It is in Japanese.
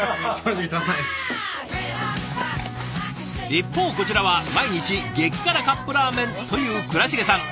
一方こちらは毎日激辛カップラーメンという倉重さん。